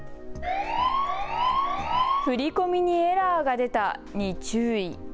振り込みにエラーが出たに注意。